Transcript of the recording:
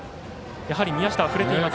やはり宮下は振れています。